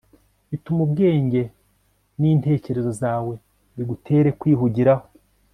bituma ubwenge nintekerezo zawe bigutera kwihugiraho